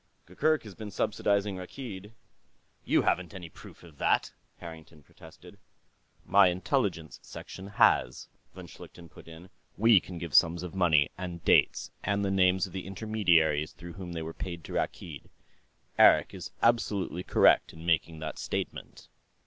Gurgurk has been subsidizing Rakkeed...." "You haven't any proof of that," Harrington protested. "My Intelligence Section has," von Schlichten put in. "We can give sums of money, and dates, and the names of the intermediaries through whom they were paid to Rakkeed. Eric is absolutely correct in making that statement."